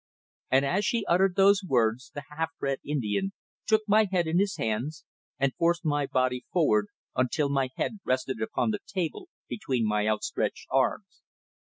And as she uttered those words the half bred Indian took my head in his hands and forced my body forward until my head rested upon the table between my outstretched arms.